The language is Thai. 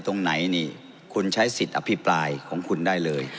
ตรงไหนนี่คุณใช้สิทธิ์อภิปรายของคุณได้เลย